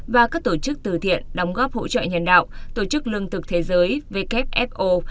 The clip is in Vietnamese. và các tổ chức từ thiện đóng góp hỗ trợ nhân đạo tổ chức lương thực thế giới wfo